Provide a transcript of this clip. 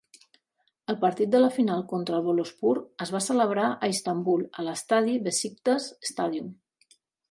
El partit de la final contra el Boluspor es va celebrar a Istanbul a l'estadi Besiktas Stadium.